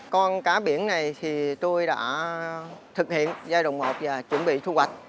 con cá biển này thì tôi đã thực hiện giai đoạn một và chuẩn bị thu hoạch